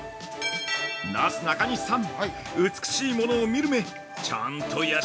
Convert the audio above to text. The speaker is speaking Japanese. ◆なすなかにしさん